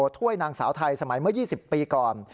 ถ้วยนางสาวไทยสมัยเมื่อ๒๐ปีก่อน